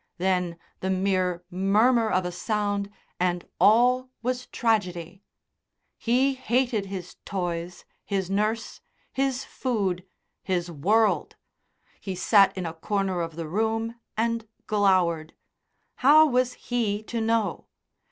Then the mere murmur of a sound, and all was tragedy. He hated his toys, his nurse, his food, his world; he sat in a corner of the room and glowered.... How was he to know?